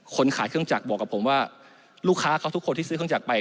คนขายเครื่องจักรบอกกับผมว่าลูกค้าเขาทุกคนที่ซื้อเครื่องจักรไป